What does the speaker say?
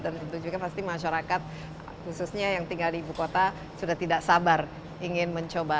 dan tentu juga pasti masyarakat khususnya yang tinggal di ibu kota sudah tidak sabar ingin mencoba